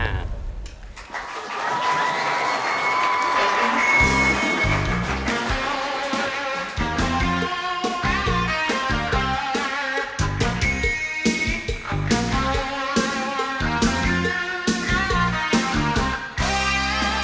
โอ้เข่งน่าไม่รู้